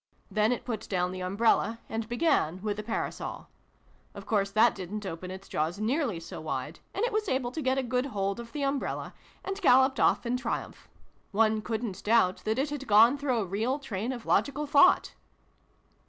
Then it put down the umbrella and began with the parasol. Of course that didn't open its jaws nearly so wide, and it was able to get a good hold of the umbrella, and galloped off in triumph. One couldn't doubt that it had gone through a real train of logical thought.